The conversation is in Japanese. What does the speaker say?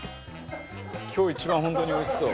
今日一番本当においしそう。